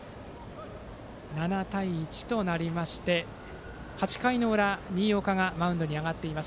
７対１となりまして８回の裏新岡がマウンドに上がっています。